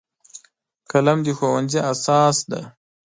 قلم د ښوونځي اساس دی